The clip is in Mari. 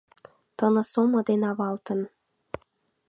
Тыныс омо ден авалтын